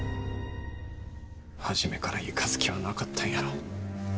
初めから生かす気はなかったんやろ。